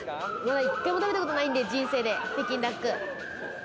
１回も食べたことないんで、人生で、北京ダック。